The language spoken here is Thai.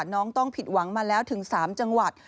น้องต้องผิดหวังมาแล้วถึง๓จังหวัด